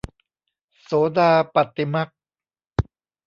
โสดาปัตติมรรค